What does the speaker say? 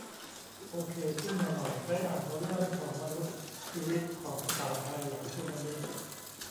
โอเคขึ้นมาหน่อย ได้อ่านเรื่องของมนุษย์ ชีวิตของสาวไทยหลังสึนามิ